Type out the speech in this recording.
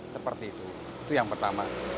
seperti kita punya pinjaman permanen